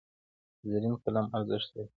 زرین قلم ارزښت لري.